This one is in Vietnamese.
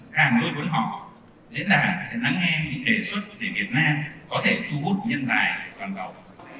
càng lớn với họ diễn đàn sẽ ngắn nghe những đề xuất để việt nam có thể thu hút nhân tài toàn cầu